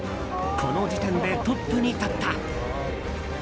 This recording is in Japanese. この時点でトップに立った。